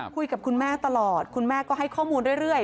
คุยกับคุณแม่ตลอดคุณแม่ก็ให้ข้อมูลเรื่อย